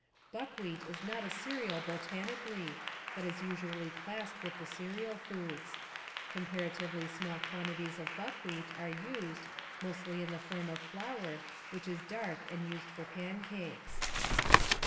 Buckwheat is not a cereal botanically, but is usually classed with the cereal foods. Comparatively small quantities of buckwheat are used, mostly in the form of flour which is dark and used for pancakes.